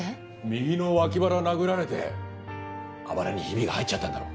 右の脇腹を殴られてあばらにヒビが入っちゃったんだろ。